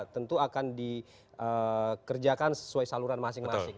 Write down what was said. tentu akan dikerjakan sesuai saluran masing masing